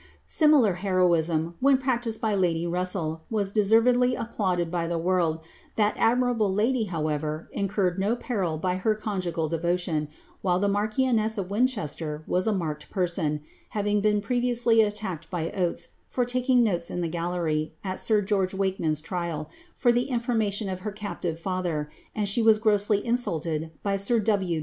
Similar heroism, when practised by lady RusmII, wm ds* servedly applauded by the world ; that admirable lady, howerer, ncorred no peril by her conjugal devotion, while the marchionen of Winchester was a marked person, having been previously attacked by Oatci, for taking notes in the gallery, at sir George Wakeman^s trial, for the infor mation of her captive father, ami she was grossly insulted by air W.